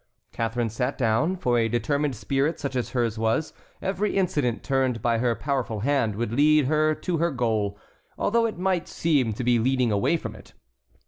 Catharine sat down. For a determined spirit such as hers was, every incident turned by her powerful hand would lead her to her goal, although it might seem to be leading away from it.